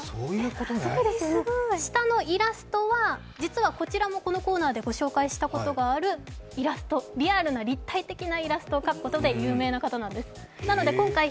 下のイラストは、実はこちらもこのコーナーで紹介したことがあるリアルな立体的なイラストを描くことで有名な方なんです。